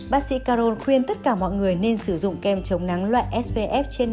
bác sĩ carol khuyên tất cả mọi người nên sử dụng kem chống nắng loại spf trên năm mươi